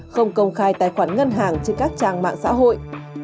không công khai tài khoản ngân hàng trên các trang mạng xã hội